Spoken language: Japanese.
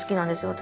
私。